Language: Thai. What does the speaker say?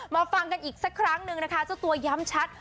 ฟังกันอีกสักครั้งนึงนะคะเจ้าตัวย้ำชัด